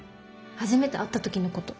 初めて会った時のこと。